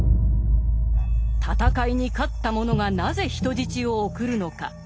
戦いに勝った者がなぜ人質を送るのか。